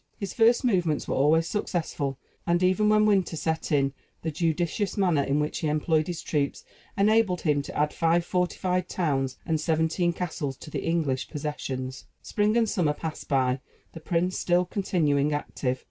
His first movements were always successful; and, even when winter set in, the judicious manner in which he employed his troops enabled him to add five fortified towns and seventeen castles to the English possessions. Spring and summer passed by the prince still continuing active.